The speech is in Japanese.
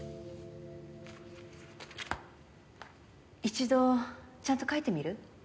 一度ちゃんと描いてみる？